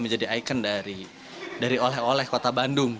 jadi ikon dari oleh oleh kota bandung